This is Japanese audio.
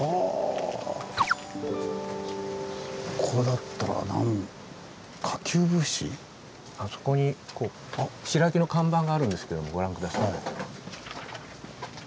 これだったらあそこに白木の看板があるんですけどもご覧下さい。